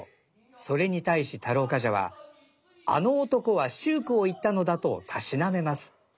それに対し太郎冠者はあの男は秀句を言ったのだとたしなめます。